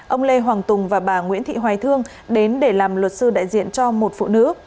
ông lê hoàng tùng và bà nguyễn thị hoài thương đến để làm luật sư đại diện cho một phụ nữ